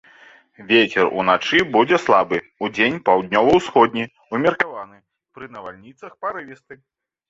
Вецер уначы будзе слабы, удзень паўднёва-ўсходні, умеркаваны, пры навальніцах парывісты.